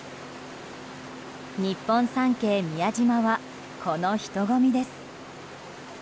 日本三景・宮島はこの人混みです。